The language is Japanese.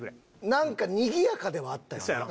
何かにぎやかではあったよな。